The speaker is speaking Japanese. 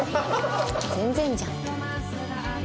全然じゃん。